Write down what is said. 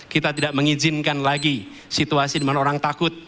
kita tidak mengizinkan lagi situasi dimana orang takut